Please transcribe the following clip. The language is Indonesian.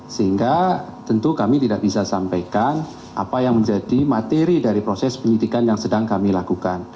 sehingga tentu kami tidak bisa sampaikan apa yang menjadi materi dari proses penyidikan yang sedang kami lakukan